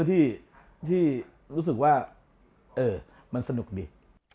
ที่รู้สึกว่ามันสนุกดี